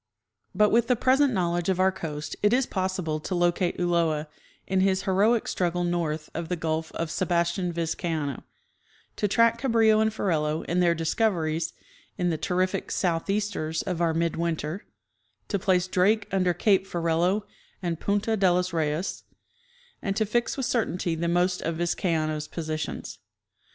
But with the present knowledge of our coast it is possible to locate Ulloa in his heroic struggle north of the gulf of Sebastian Vizcaino ; to track Cabrillo and Ferrelo in their discoveries in the terrific " southeasters " of our mid winter; to place Drake under cape Ferrelo and Punta de los Reyes, and to fix with cer tainty the most of Vizcaino's positions.